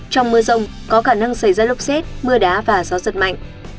trong mưa rông có khả năng xảy ra lốc xét mưa đá và gió giật mạnh